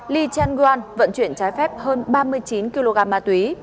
lee chang gwan vận chuyển trái phép hơn ba mươi chín kg ma túy